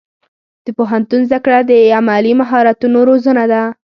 د پوهنتون زده کړه د عملي مهارتونو روزنه ده.